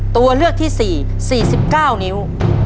ตัวเลือกที่๔๔๙นิ้ว